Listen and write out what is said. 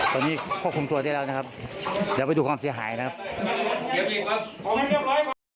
ตอนนี้ควบคุมตัวได้แล้วนะครับเดี๋ยวไปดูความเสียหายนะครับ